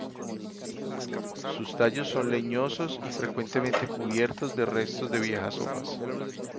Sus tallos son leñosos y frecuentemente cubiertos de restos de viejas hojas.